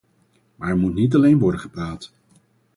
Maar er moet niet alleen worden gepraat.